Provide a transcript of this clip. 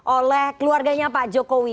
oleh keluarganya pak jokowi